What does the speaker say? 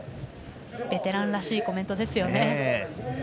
ベテランらしいコメントですよね。